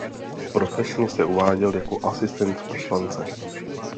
Profesně se uváděl jako asistent poslance.